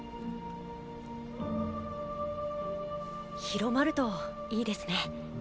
広まるといいですね。